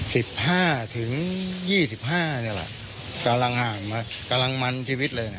สิบห้าถึงยี่สิบห้านี่แหละกำลังห่างมากำลังมันชีวิตเลยนะ